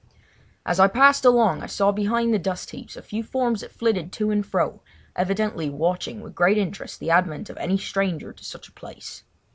As I passed along I saw behind the dust heaps a few forms that flitted to and fro, evidently watching with interest the advent of any stranger to such a place.